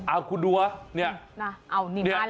อ้าวคุณดูว่าเนี่ย